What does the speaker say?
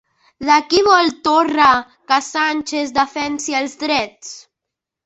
De qui vol Torra que Sánchez defensi els drets?